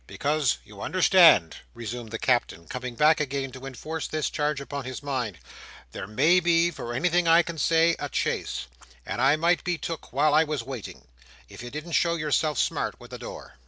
"Because you understand," resumed the Captain, coming back again to enforce this charge upon his mind, "there may be, for anything I can say, a chase; and I might be took while I was waiting, if you didn't show yourself smart with the door."